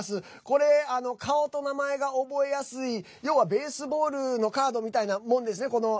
これ、顔と名前が覚えやすい要はベースボールのカードみたいなもんですね。